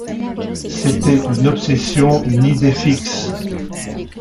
C’était une obsession, une idée fixe.